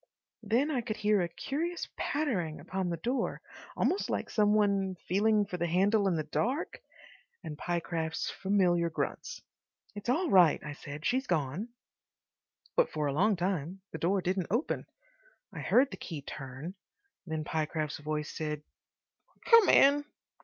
Then I could hear a curious pattering upon the door, almost like some one feeling for the handle in the dark, and Pyecraft's familiar grunts. "It's all right," I said, "she's gone." But for a long time the door didn't open. I heard the key turn. Then Pyecraft's voice said, "Come in."